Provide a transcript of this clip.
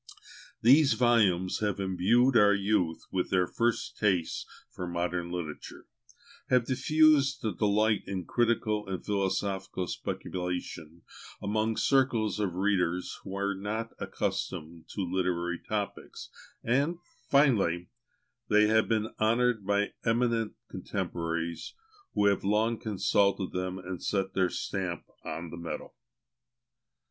These volumes have imbued our youth with their first tastes for modern literature, have diffused a delight in critical and philosophical speculation among circles of readers who were not accustomed to literary topics; and finally, they have been honoured by eminent contemporaries, who have long consulted them and set their stamp on the metal.